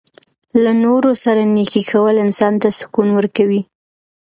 له نورو سره نیکي کول انسان ته سکون ورکوي.